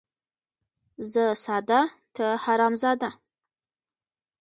ـ زه ساده ،ته حرام زاده.